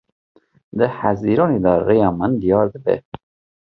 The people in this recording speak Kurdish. Di hezîranê de rêya min diyar dibe.